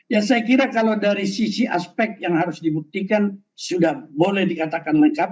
ya saya kira kalau dari sisi aspek yang harus dibuktikan sudah boleh dikatakan lengkap